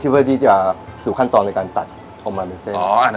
เพื่อที่จะสู่ขั้นตอนในการตัดออกมาในเส้น